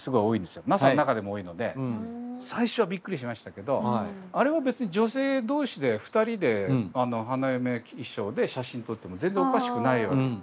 最初はびっくりしましたけどあれも別に女性同士で２人で花嫁衣装で写真撮っても全然おかしくないわけです。